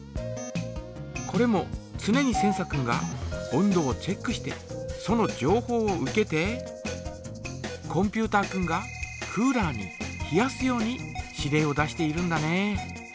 これもつねにセンサ君が温度をチェックしてそのじょうほうを受けてコンピュータ君がクーラーに冷やすように指令を出しているんだね。